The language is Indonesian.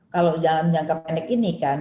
kalau jangan menyangka panik ini kan